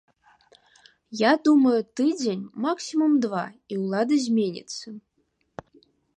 Я думаю тыдзень, максімум два і ўлада зменіцца.